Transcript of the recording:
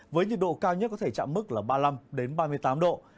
với nhiệt độ cao nhất có thể chạm mức là ba mươi năm ba mươi tám độ